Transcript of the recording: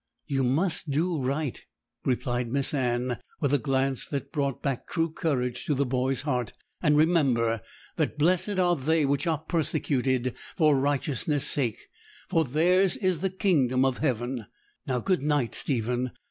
'You must do right,' replied Miss Anne, with a glance that brought back true courage to the boy's heart; 'and remember that "blessed are they which are persecuted for righteousness' sake, for theirs is the kingdom of heaven." Now, good night, Stephen.